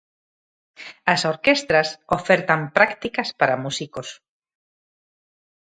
As orquestras ofertan prácticas para músicos.